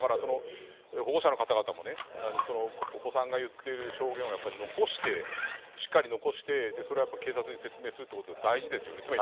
保護者の方々もお子さんが言っている証言をしっかり残してそれを警察に説明するということは大事ですよね。